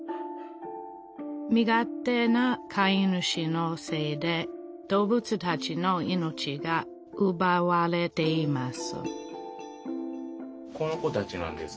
身勝手な飼い主のせいで動物たちの命がうばわれています